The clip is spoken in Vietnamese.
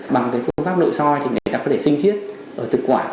bằng phương pháp nội so thì người ta có thể sinh chiết ở thực quản